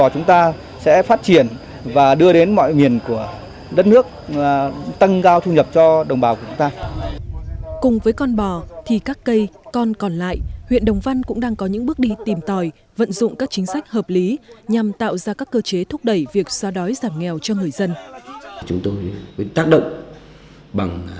cùng với con bò thì các cây con còn lại huyện đồng văn cũng đang có những bước đi tìm tòi vận dụng các chính sách hợp lý nhằm tạo ra các cơ chế thúc đẩy việc xóa đói giảm nghèo cho người dân